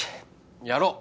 やろう